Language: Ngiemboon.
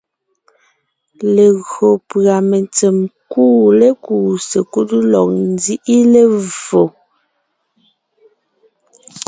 Legÿo pʉ́a mentsèm kuʼu lékúu sekúd lɔg nzíʼi levfò,